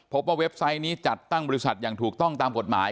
เว็บไซต์นี้จัดตั้งบริษัทอย่างถูกต้องตามกฎหมาย